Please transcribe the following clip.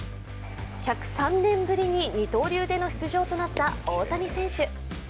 １０３年ぶりに二刀流での出場となった大谷選手。